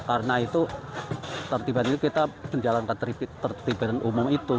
karena itu ketertiban itu kita menjalankan ketertiban umum itu